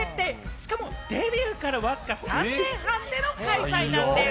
しかもデビューからわずか３年半での開催なんです。